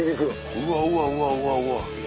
うわうわうわうわうわ。